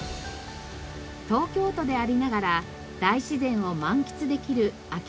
東京都でありながら大自然を満喫できるあきる野市。